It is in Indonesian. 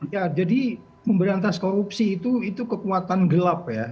ya jadi memberantas korupsi itu kekuatan gelap ya